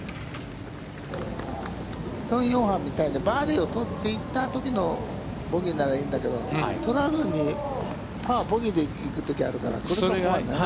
宋永漢みたいにバーディーを取っていったときのボギーならいいんだけど、取らずにパー、ボギーで行くときがあるから、それが怖いね。